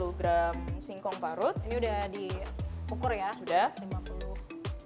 oke dan lima puluh gram kelapa parut ini udah diukur ya sudah lima puluh dan lima puluh gram kelapa parut